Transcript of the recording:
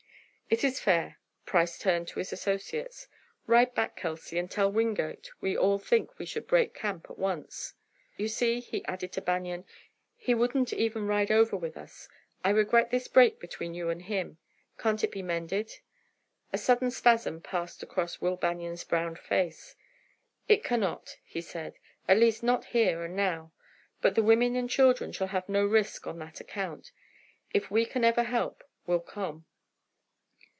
"It is fair." Price turned to his associates. "Ride back, Kelsey, and tell Wingate we all think we should break camp at once. "You see," he added to Banion, "he wouldn't even ride over with us. I regret this break between you and him. Can't it be mended?" A sudden spasm passed across Will Banion's browned face. "It cannot," said he, "at least not here and now. But the women and children shall have no risk on that account. If we can ever help, we'll come."